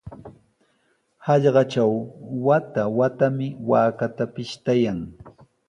Hallqatraw wata-watami waakata pishtayan.